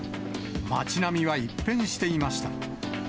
街並みは一変していました。